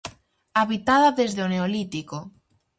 Habitada desde o Neolítico.